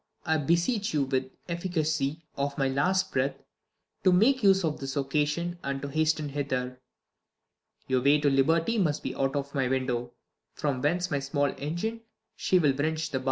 I beseech you, with the efficacy of my last breath, to make use of this occasion and to hasten hither. Your way to liberty must be out of my window, from whence by a small engine she will wrench the bars.